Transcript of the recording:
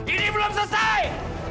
ini belum selesai